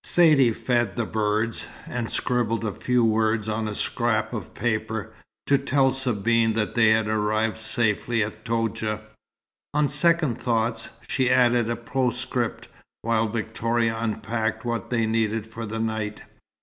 Saidee fed the birds, and scribbled a few words on a scrap of paper, to tell Sabine that they had arrived safely at Toudja. On second thoughts, she added a postscript, while Victoria unpacked what they needed for the night.